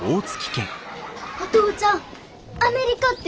アメリカ。